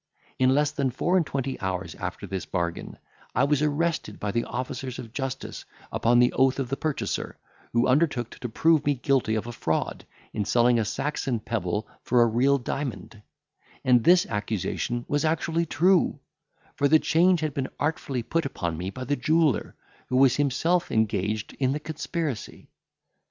In less than four and twenty hours after this bargain, I was arrested by the officers of justice upon the oath of the purchaser, who undertook to prove me guilty of a fraud, in selling a Saxon pebble for a real diamond; and this accusation was actually true; for the change had been artfully put upon me by the jeweller, who was himself engaged in the conspiracy.